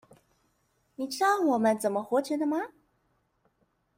你知道我們怎麼活著的嗎？